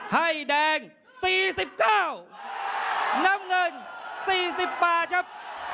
ให้แดง๔๙น้ำเงิน๔๘ครับ